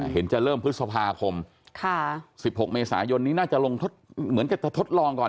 เห็นจะเริ่มพฤษภาคม๑๖เมษายนนี่น่าจะลงทดลองก่อน